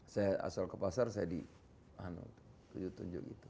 saya asal ke pasar saya di tujuh puluh tujuh gitu